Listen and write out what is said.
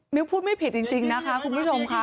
มิวพูดไม่ผิดจริงนะคะคุณมิถมค่ะ